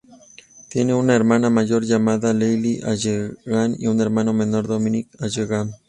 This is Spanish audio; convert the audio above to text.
Tiene una hermana mayor llamada Leila Agyeman y un hermano menor Dominic Agyeman.